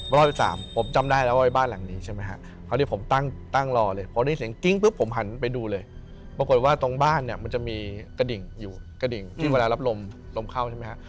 รอยที่๓ผมจำได้แล้วว่าบ้านเหล่านี้ใช่ไหมฮะ